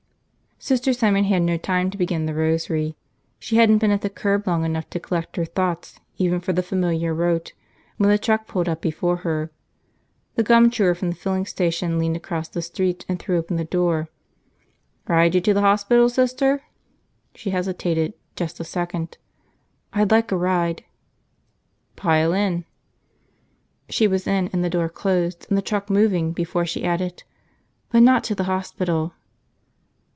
Sister Simon had no time to begin the rosary. She hadn't been at the curb long enough to collect her thoughts even for the familiar rote when the truck pulled up before her. The gum chewer from the filling station leaned across the seat and threw open the door. "Ride you to the hospital, Sister?" She hesitated just a second. "I'd like a ride." "Pile in." She was in, and the door closed, and the truck moving before she added, "But not to the hospital."